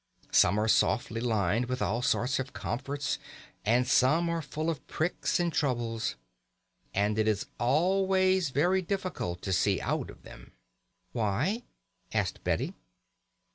Some are softly lined with all sorts of comforts, and some are full of pricks and troubles. And it is always very difficult to see out of them." "Why?" asked Betty.